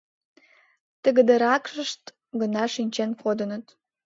Тыгыдыракышт гына шинчен кодыныт.